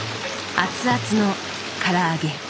熱々のから揚げ。